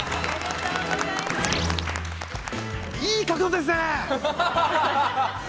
いい角度ですねえ！